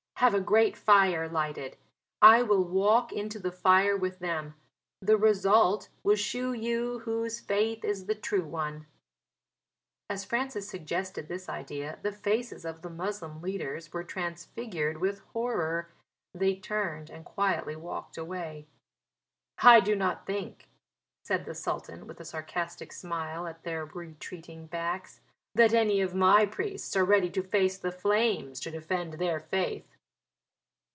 Have a great fire lighted. I will walk into the fire with them: the result will shew you whose faith is the true one." As Francis suggested this idea the faces of the Moslem leaders were transfigured with horror. They turned and quietly walked away. "I do not think," said the Sultan with a sarcastic smile at their retreating backs, "that any of my priests are ready to face the flames to defend their faith."